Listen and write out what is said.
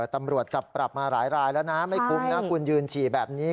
ตำรวจจับปรับมาหลายรายแล้วนะไม่คุ้มนะคุณยืนฉี่แบบนี้